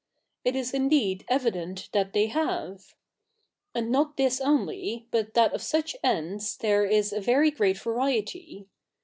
It is indeed evident that they have. And 7iot this only, but that of such ends there is a ve7y great va7'iety.